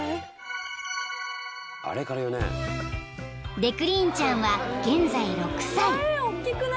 ［デクリーンちゃんは現在６歳］